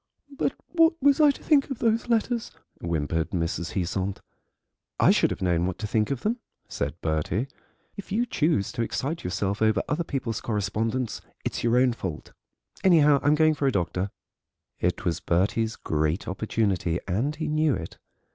"But what was I to think of those letters?" whimpered Mrs. Heasant. "I should have known what to think of them," said Bertie; "if you choose to excite yourself over other people's correspondence it's your own fault. Anyhow, I'm going for a doctor." It was Bertie's great opportunity, and he knew it.